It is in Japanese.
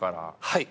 はい。